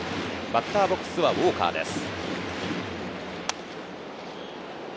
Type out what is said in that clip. バッターボックスはウォーカーです。